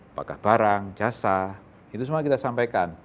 apakah barang jasa itu semua kita sampaikan